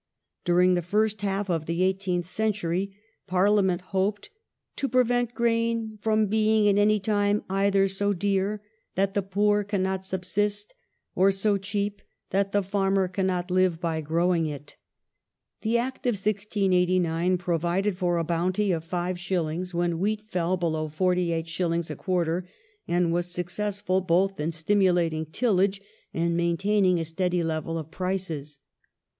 During the first half of the eighteenth century Parliament hoped to ''prevent grain from being at any time either so dear that the poor cannot subsist, or so cheap that the farmer cannot live by growing it ".^ The Act of 1689 provided for a bounty of 5s. when wheat fell below 48s. a quarter, and was successful both in stimulating tillage and main taining a steady level of prices.